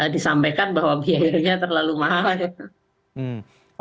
disampaikan bahwa biayanya terlalu mahal